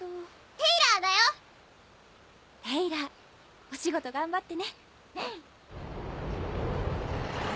テイラーお仕事頑張ってね。